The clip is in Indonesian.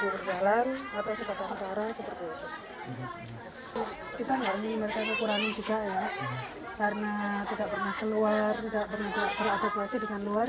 karena tidak pernah keluar tidak pernah beradaptasi dengan luar